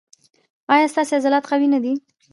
ایا ستاسو عضلات قوي نه دي؟